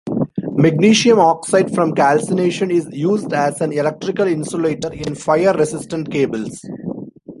Magnesium oxide from calcination is used as an electrical insulator in fire-resistant cables.